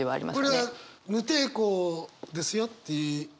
これは無抵抗ですよって意味なのか